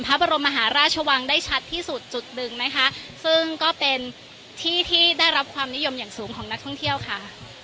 พระบรมมหาราชวังได้ชัดที่สุดจุดหนึ่งนะคะซึ่งก็เป็นที่ที่ได้รับความนิยมอย่างสูงของนักท่องเที่ยวค่ะ